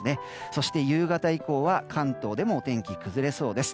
そして、夕方以降は関東でもお天気崩れそうです。